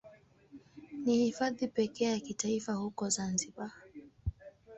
Ni Hifadhi pekee ya kitaifa huko Zanzibar.